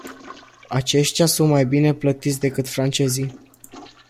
Aceștia sunt mai bine plătiți decât francezii.